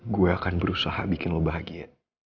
gue akan berusaha bikin lo bahagia